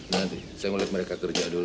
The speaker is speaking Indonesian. nanti saya mau lihat mereka kerja dulu